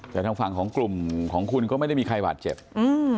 แต่ทางฝั่งของกลุ่มของคุณก็ไม่ได้มีใครบาดเจ็บอืม